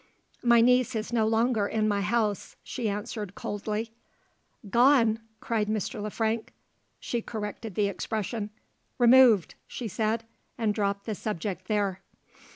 "My niece is no longer in my house," she answered coldly. "Gone!" cried Mr. Le Frank. She corrected the expression. "Removed," she said, and dropped the subject there.